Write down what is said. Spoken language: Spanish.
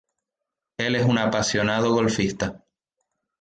Él es un apasionado golfista.